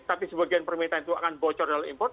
tapi sebagian permintaan itu akan bocor dalam import